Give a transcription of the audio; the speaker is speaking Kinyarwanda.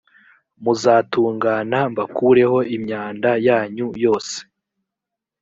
muzatungana mbakureho imyanda yanyu yose